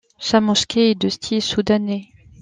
Sa mosquée est de style soudanais.